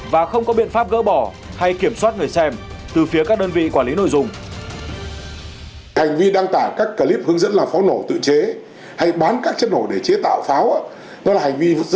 và không có biện pháp gỡ bỏ hay kiểm soát người xem từ phía các đơn vị quản lý nội dung